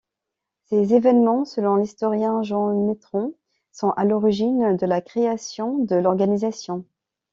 Ces événements, selon l'historien Jean Maitron, sont à l'origine de la création de l'organisation.